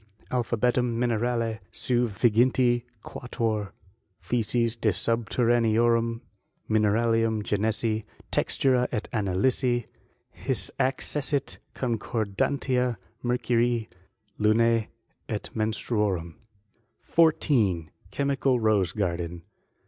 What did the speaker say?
Alphabetum Minerale sen viginti quatuor theses de subterraneorum mineralinm genesi, textura et analvsi ; his accessit concordantia mercurii lunse et menstruorum. 14. Chemical Rose garden.